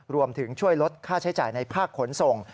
รวมถึงช่วยลดค่าใช้จ่ายในภาคขนส่ง